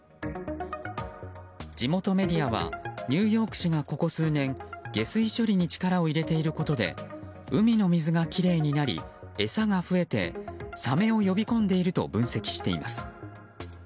地元メディアはニューヨーク市がここ数年下水処理に力を入れていることで海の水がきれいになり餌が増えてサメを呼び込んでいると分析しています。